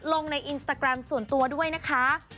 ลงในอินสตาแกรมส่วนตัวด้วยนะคะ